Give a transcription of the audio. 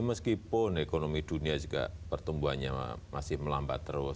meskipun ekonomi dunia juga pertumbuhannya masih melambat terus